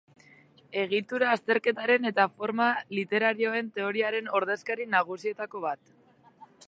Egitura-azterketaren eta forma literarioen teoriaren ordezkari nagusietako bat.